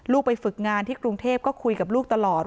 ไปฝึกงานที่กรุงเทพก็คุยกับลูกตลอด